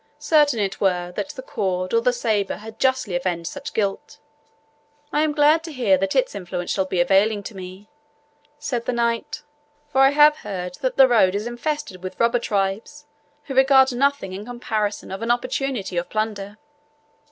Certain it were, that the cord or the sabre had justly avenged such guilt." "I am glad to hear that its influence shall be availing to me," said the Knight; "for I have heard that the road is infested with robber tribes, who regard nothing in comparison of an opportunity of plunder."